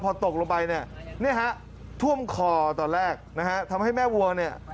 พอตกลงไปเนี่ยท่วมคอตอนแรกนะครับทำให้แม่วัวเนี่ย